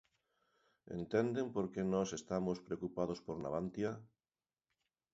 ¿Entenden por que nós estamos preocupados por Navantia?